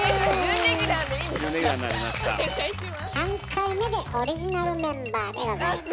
３回目でオリジナルメンバーでございます。